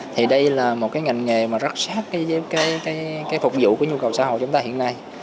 thì đây là một cái ngành nghề mà rất sát với cái phục vụ của nhu cầu xã hội chúng ta hiện nay